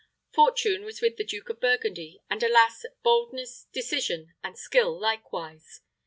Fortune was with the Duke of Burgundy, and alas! boldness, decision, and skill likewise.